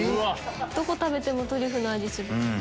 どこ食べてもトリュフの味する。